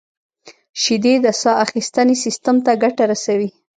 • شیدې د ساه اخیستنې سیستم ته ګټه رسوي.